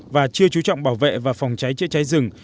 và chưa chú trọng bảo vệ và phòng cháy chữa cháy rừng